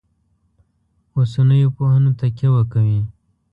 اوسنیو پوهنو تکیه وکوي.